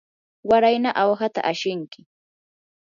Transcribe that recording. warayna awhata ashinki.